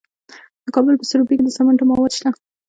د کابل په سروبي کې د سمنټو مواد شته.